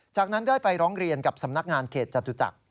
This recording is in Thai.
จากนั้นได้ไปร้องเรียนกับสำนักงานเขตจตุจักร